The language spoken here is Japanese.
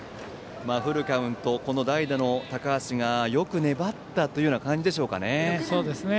フルカウント、代打の高橋がよく粘ったという感じですかね。